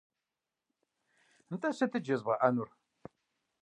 Нтӏэ сытыт жезыбгъэӏэнур?